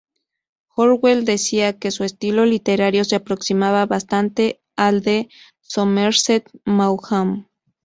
Orwell decía que su estilo literario se aproximaba bastante al de Somerset Maugham.